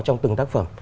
trong từng tác phẩm